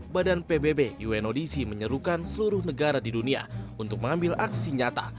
badan pbb unodc menyerukan seluruh negara di dunia untuk mengambil aksi nyata